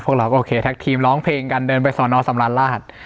เราก็โอเคแท็กทีมร้องเพลงกันเดินไปสอนอสำราญราช